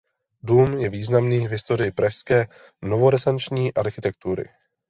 Dům je významný v historii pražské novorenesanční architektury.